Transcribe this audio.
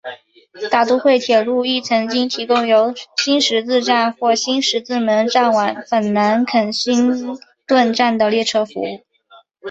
大都会铁路亦曾经提供由新十字站或新十字门站往返南肯辛顿站的列车服务。